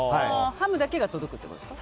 ハムだけが届くということですか？